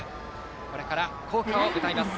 これから校歌を歌います。